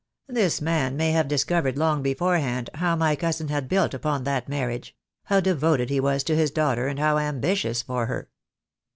This man may have discovered long beforehand how my cousin had built upon that marriage — how de voted he was to his daughter, and how ambitious for her.